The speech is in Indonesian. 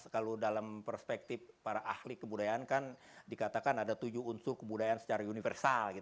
kalau dalam perspektif para ahli kebudayaan kan dikatakan ada tujuh unsur kebudayaan secara universal